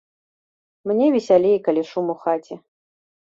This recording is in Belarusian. Мне весялей, калі шум у хаце.